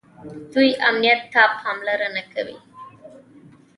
دوی امنیت ته پاملرنه کوي.